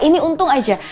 ini untung aja